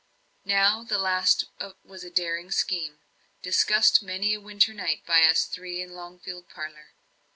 Now the last was a daring scheme, discussed many a winter night by us three in Longfield parlour.